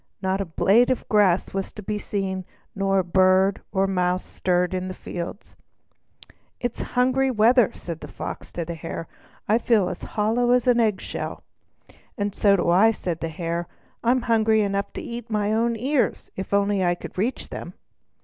Not a blade of grass was to be seen, not a bird or mouse stirred in the fields. "It's hungry weather," said the Fox to the Hare. "I feel as hollow as an egg shell." "And so do I," replied the Hare. "I'm hungry enough to eat my own ears, if only I could reach them."